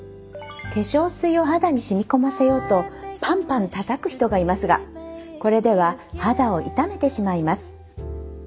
化粧水を肌に染み込ませようとパンパンたたく人がいますがこれでは肌を傷めてしまいます。